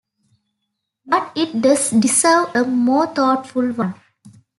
But it does deserve a more thoughtful one.